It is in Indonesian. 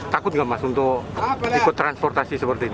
takut nggak mas untuk ikut transportasi seperti ini